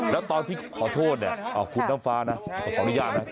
แล้วตอนที่ขอโทษเนี่ยคุณน้ำฟ้านะขออนุญาตนะ